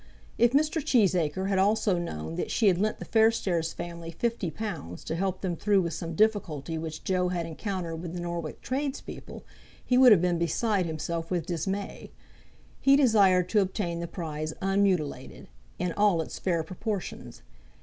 If Mr. Cheesacre had also known that she had lent the Fairstairs family fifty pounds to help them through with some difficulty which Joe had encountered with the Norwich tradespeople, he would have been beside himself with dismay. He desired to obtain the prize unmutilated, in all its fair proportions.